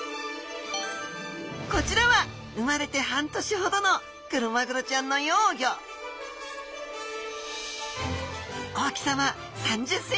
こちらは生まれて半年ほどのクロマグロちゃんの幼魚大きさは３０ｃｍほど。